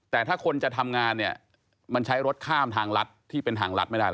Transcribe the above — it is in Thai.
แต่ถ้าคนจะทำงานเนี่ยมันใช้รถข้ามทางรัฐที่เป็นทางรัฐไม่ได้